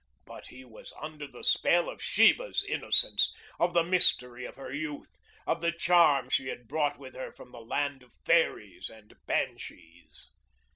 But he was under the spell of Sheba's innocence, of the mystery of her youth, of the charm she had brought with her from the land of fairies and banshees.